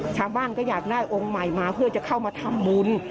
ชาวบ้านก็อยากได้องค์ใหม่มาเพื่อจะเข้ามาทำบุญ